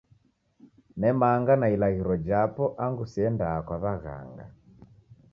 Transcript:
Nemanga na ilaghiro japo angu siendaa kwa w'aghanga.